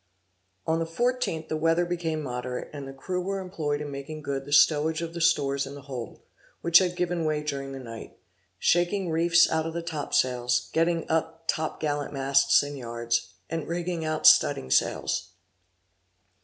On the 14th the weather became moderate, and the crew were employed in making good the stowage of the stores in the hold, which had given way during the night; shaking reefs out of the top sails, getting up top gallant masts and yards, and rigging out studding sails.